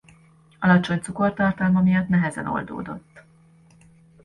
Alacsony cukortartalma miatt nehezen oldódott.